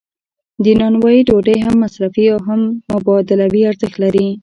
د نانوایی ډوډۍ هم مصرفي او هم مبادلوي ارزښت لري.